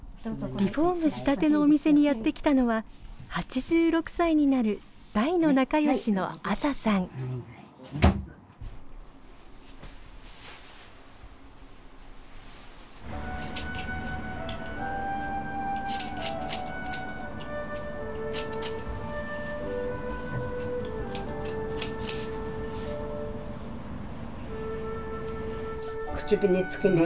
リフォームしたてのお店にやって来たのは８６歳になる大の仲よしの口紅つけない方がいい？